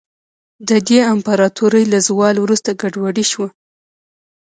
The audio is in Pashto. د دې امپراتورۍ له زوال وروسته ګډوډي شوه.